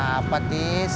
tidak apa apa tis